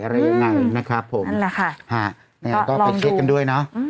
อะไรยังไงนะครับผมนั่นแหละค่ะฮะเนี่ยก็ไปเช็คกันด้วยเนาะ